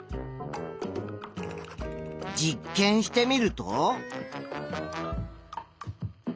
実験してみると。